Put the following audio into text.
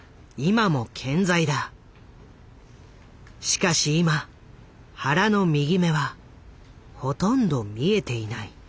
しかし今原の右目はほとんど見えていない。